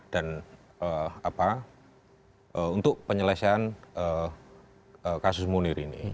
dan apa untuk penyelesaian kasus munir ini